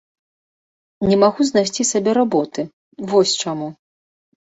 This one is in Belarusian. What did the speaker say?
Не магу знайсці сабе работы, вось чаму.